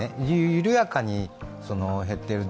緩やかに減っている。